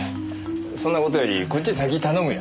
そんな事よりこっち先に頼むよ。